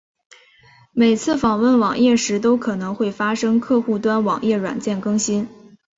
每次访问网页时都可能会发生客户端网页软件更新。